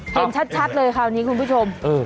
เห็นชัดเลยคราวนี้คุณผู้ชม